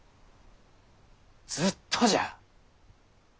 ずっとじゃ。